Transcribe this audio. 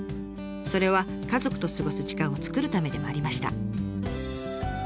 それは家族と過ごす時間を作るためでもありました。